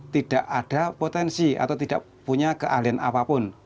tidak ada potensi atau tidak punya keahlian apapun